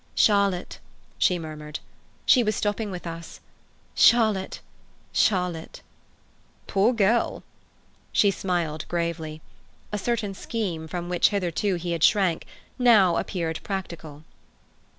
"Charlotte," she murmured. "She was stopping with us. Charlotte—Charlotte." "Poor girl!" She smiled gravely. A certain scheme, from which hitherto he had shrunk, now appeared practical.